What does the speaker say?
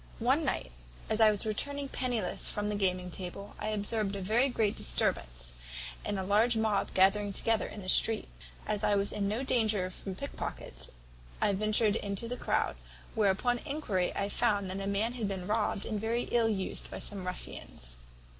"One night, as I was returning pennyless from the gaming table, I observed a very great disturbance, and a large mob gathered together in the street. As I was in no danger from pickpockets, I ventured into the croud, where upon enquiry I found that a man had been robbed and very ill used by some ruffians.